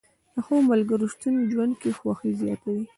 د ښو ملګرو شتون ژوند کې خوښي زیاتوي